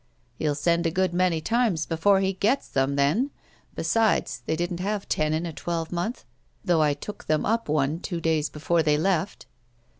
" He'll send a good many times before he gets them, then ; besides, they didn't have ten in a twelvemonth, tliough I took them up one two days before they left."